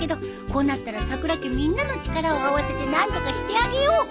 こうなったらさくら家みんなの力を合わせて何とかしてあげよう！